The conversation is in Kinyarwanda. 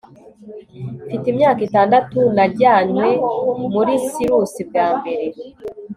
mfite imyaka itandatu, najyanywe muri sirusi bwa mbere